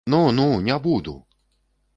Ну, ну, не буду!